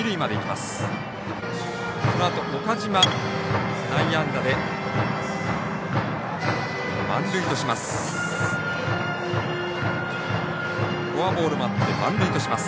このあと岡島、内野安打で満塁とします。